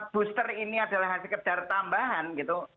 booster ini adalah hasil kecerdasan tambahan gitu